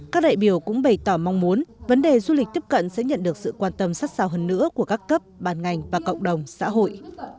các đại biểu cũng bày tỏ mong muốn vấn đề du lịch tiếp cận sẽ nhận được sự quan tâm sát sao hơn nữa của các cấp bàn ngành và cộng đồng xã hội